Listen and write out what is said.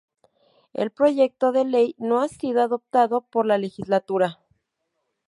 El proyecto de ley no ha sido adoptado por la legislatura.